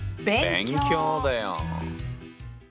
勉強だよ。